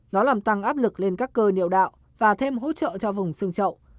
nó làm tăng áp lực lên các cơ địa đạo và thêm hỗ trợ cho vùng xương trậu